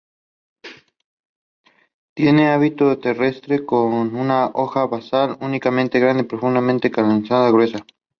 Tiene hábito terrestre, con una hoja basal, única, grande, profundamente canalizada, gruesa.